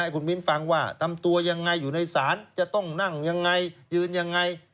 คุณมิ้นฟังว่าทำตัวยังไงอยู่ในศาลจะต้องนั่งยังไงยืนยังไง